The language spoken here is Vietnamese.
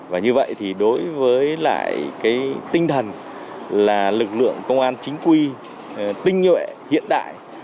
và như vậy thì đối với lại cái tinh thần là lực lượng công an chính quy tinh nhuệ hiện đại